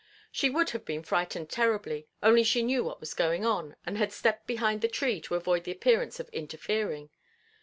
She would have been frightened terribly, only she knew what was going on, and had stepped behind the tree to avoid the appearance of interfering.